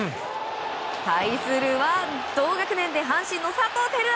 対するは同学年で阪神の佐藤輝明。